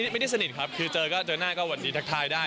สนิทครับคือเจอก็เจอหน้าก็วันนี้ทักทายได้